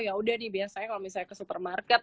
yaudah nih biasanya kalau misalnya ke supermarket